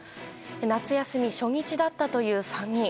夏休み初日だったという３人。